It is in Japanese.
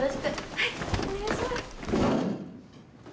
はいお願いします！